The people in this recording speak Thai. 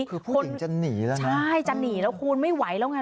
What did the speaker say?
คือผู้หญิงจะหนีแล้วนะใช่จะหนีแล้วคูณไม่ไหวแล้วไง